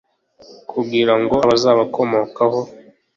kugira ngo abazabakomokaho